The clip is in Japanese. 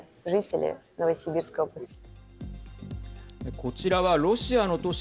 こちらはロシアの都市